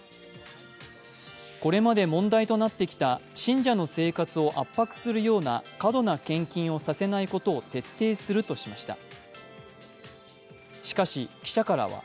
これまで問題となってきた信者の生活を圧迫するような過度な献金をさせないことを徹底するとしました。